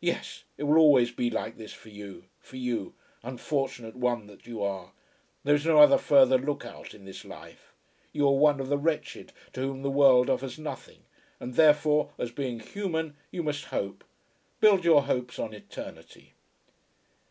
"Yes; it will always be like this for you, for you, unfortunate one that you are. There is no other further look out in this life. You are one of the wretched to whom the world offers nothing; and therefore, as, being human, you must hope, build your hopes on eternity."